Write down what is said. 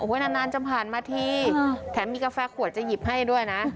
นานจะผ่านมาทีแถมมีกาแฟขวดจะหยิบให้ด้วยนะ